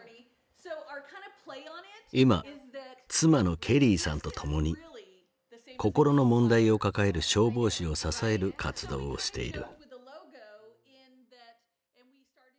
今妻のケリーさんと共に心の問題を抱える消防士を支える活動をしている。